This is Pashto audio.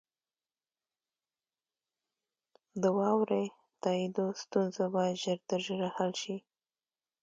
د واورئ تائیدو ستونزه باید ژر تر ژره حل شي.